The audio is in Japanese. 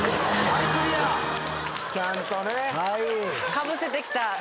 かぶせてきた。